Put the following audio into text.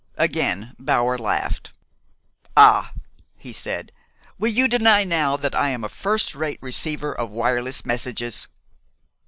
Again Bower laughed. "Ah!" he said. "Will you deny now that I am a first rate receiver of wireless messages?"